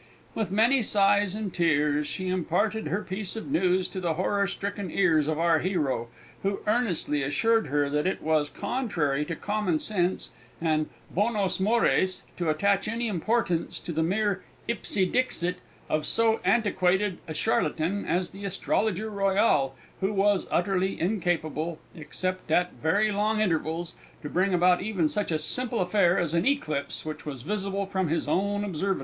With many sighs and tears she imparted her piece of news to the horror stricken ears of our hero, who earnestly assured her that it was contrary to commonsense and bonos mores, to attach any importance to the mere ipse dixit of so antiquated a charlatan as the Astrologer Royal, who was utterly incapable except at very long intervals to bring about even such a simple affair as an eclipse which was visible from his own Observatory!